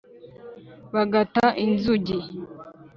bagata inzugi.